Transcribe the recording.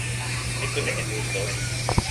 mi kute e mu soweli.